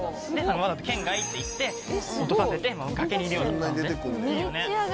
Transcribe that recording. わざと懸崖っていって落とさせて崖にいるような感じでいいよね。